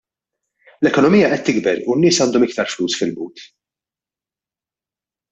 L-ekonomija qed tikber u n-nies għandhom iktar flus fil-but.